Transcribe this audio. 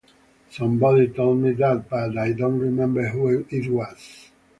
Somebody told me that, but I don't remember who it was.